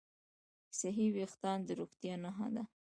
صحي وېښتيان د روغتیا نښه ده.